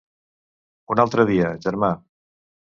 Un altre dia, germà.